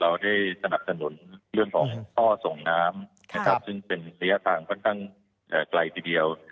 เราได้สนับสนุนเรื่องของท่อส่งน้ำนะครับซึ่งเป็นระยะทางค่อนข้างไกลทีเดียว